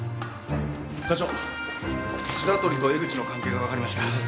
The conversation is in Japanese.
課長白鳥と江口の関係がわかりました。